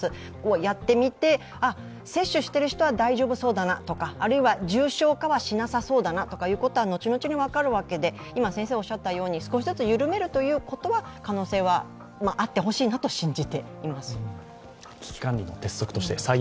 やってみて、接種している人は大丈夫そうだなとかあるいは重症化はしなさそうだなというのは後々に分かるわけで少しずつ緩めるということは可能性はあってほしいなと信じています。